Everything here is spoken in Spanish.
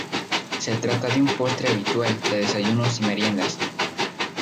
Se trata de un postre habitual de desayunos y meriendas.